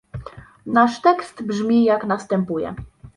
Nasz tekst brzmi, jak następuje